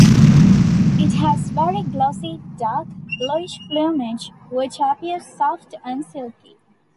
It has very glossy dark, bluish plumage, which appears soft and silky.